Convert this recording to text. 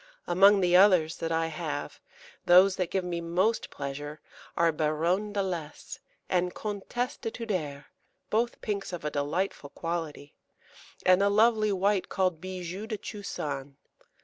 Among the others that I have, those that give me most pleasure are Baronne d'Alès and Comtesse de Tuder, both pinks of a delightful quality, and a lovely white called Bijou de Chusan.